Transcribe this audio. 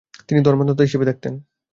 তিনি ধর্মান্ধতা হিসেবে দেখতেন।